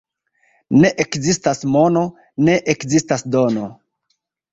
Ne ekzistas mono, ne ekzistas dono.